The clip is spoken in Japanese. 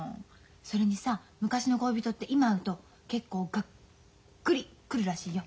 それにさ昔の恋人って今会うと結構がっくり来るらしいよ。